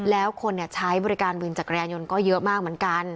แล้วคนใช้บริการวินจักรยานยนต์ก็เยอะมากเหมือนกัน